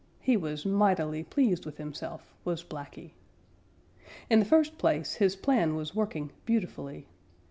He was mightily pleased with himself, was Blacky. In the first place his plan was working beautifully.